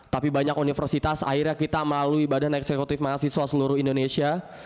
tapi banyak universitas akhirnya kita melalui badan eksekutif mahasiswa seluruh indonesia